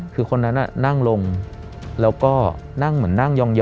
คือคนนั้นนั่งลงแล้วก็นั่งเหมือนนั่งยอ